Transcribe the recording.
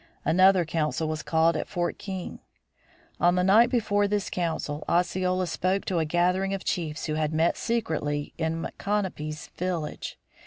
Another council was called at Fort King. On the night before this council, Osceola spoke to a gathering of chiefs who had met secretly in Micanopy's village.